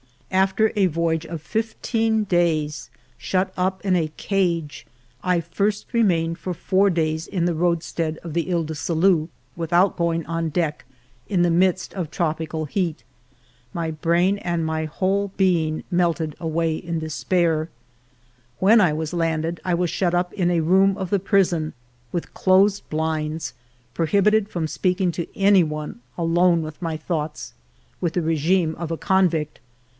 After a voyage of fifteen days shut up in a cage, I first remained for four days in the road stead of the lies du Salut without going on deck, in the midst of tropical heat. My brain and my whole being melted away in despair. When I was landed, I was shut up in a room of the prison, with closed blinds, prohibited from speaking to any one, alone with my thoughts, with the regime of a convict.